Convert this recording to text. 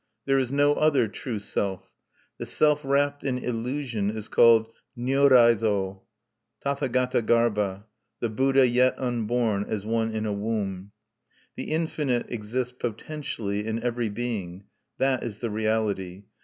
There Is no other true self. The self wrapped in illusion is called Nyorai zo, (Tathagata gharba), the Buddha yet unborn, as one in a womb. The Infinite exists potentially in every being. That is the Reality.